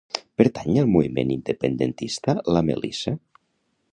Pertany al moviment independentista la Melisa?